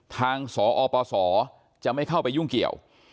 ทางสอปศจะไม่เข้าไปยุ่งเกี่ยว